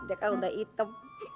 dia kan udah hitam